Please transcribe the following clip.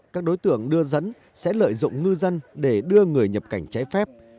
các đối tượng đưa dẫn sẽ lợi dụng ngư dân để đưa người nhập cảnh trái phép